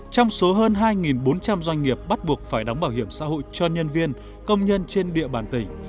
trong số hơn hai bốn trăm linh doanh nghiệp bắt buộc phải đóng bảo hiểm xã hội cho nhân viên công nhân trên địa bàn tỉnh